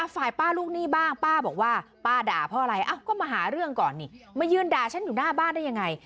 ฝ่ายป้าลูกหนี้บ้างป้าบอกว่าป้าด่าเพราะอะไรก็มาหาเรื่องก่อนนี่มายืนด่าฉันอยู่หน้าบ้านได้ยังไง